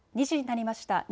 ２時になりました。